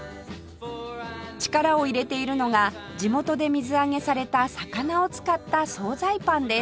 力を入れているのが地元で水揚げされた魚を使った総菜パンです